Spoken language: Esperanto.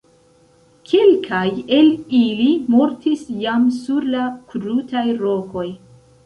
Kelkaj el ili mortis jam sur la krutaj rokoj.